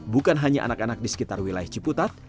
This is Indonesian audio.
bukan hanya anak anak di sekitar wilayah ciputat